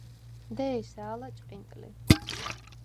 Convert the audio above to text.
დე̄სა, ალა ჭყინტ ლი.